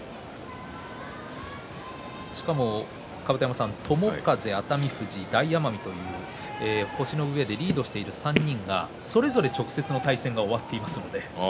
しかも友風は熱海富士、大奄美と星のうえでリードしている３人がそれぞれ直接の対戦が終わっていますね。